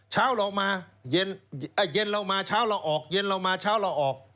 เช้าเรามาเย็นเรามาเช้าเราออกเย็นเรามาเช้าเราออก